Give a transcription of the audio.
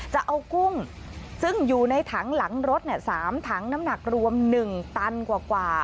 กุ้งซึ่งอยู่ในถังหลังรถ๓ถังน้ำหนักรวม๑ตันกว่า